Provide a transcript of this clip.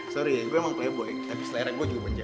sorry ya gue emang playboy tapi selera gue juga banjir